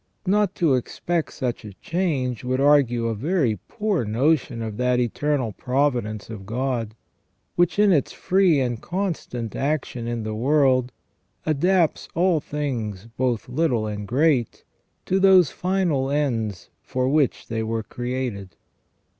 Not to expect such a change would argue a very poor notion of that eternal providence of God, which, in its free and constant action in the world, adapts all things both little and great to those final ends for which they were created.